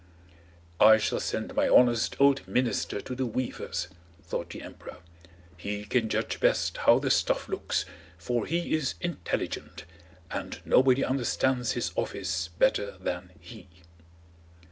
"I shall send my honest old minister to the weavers," thought the emperor. "He can judge best how the stuff looks, for he is intelligent, and nobody understands his office better than he."